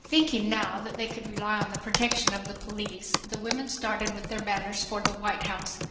Thinking now that they could rely on the protection of the police, the women started with their banners for the White House.